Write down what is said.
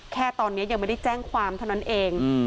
แค่ตอนนี้ยังไม่ได้แจ้งความเท่านั้นเอง